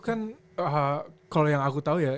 kan kalo yang aku tau ya